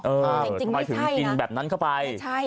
ทำไมถึงกินแบบนั้นเข้าไป